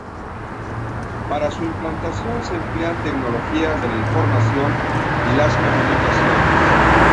Para su implantación se emplean tecnologías de la información y las comunicaciones.